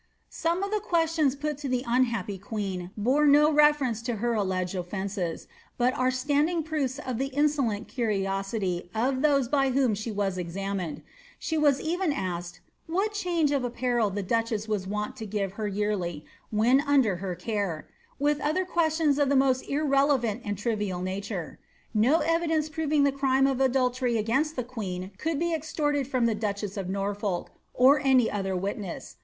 Some of the questions put to the unhappy queen bore no lefermn to her alleged ounces, but are standing proofs of the insolent curioatr of those by whom she was examined. She was even asked ^whii change of apparel the duchess was wont to give her yearly when aader her care," with other questions of the most irrelevant and trivial natnR.' No evidence proving the crime of adultery against the queen cook! be extorted from the duchess of Norfolk or any other witness.